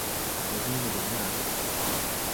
І гэта мяне вельмі радуе.